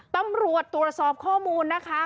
ตำรวจตรวจสอบข้อมูลนะคะ